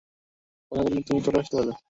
কথা দিলাম, তুমি চলে আসতে পারবে।